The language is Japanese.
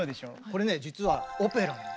これね実はオペラなの。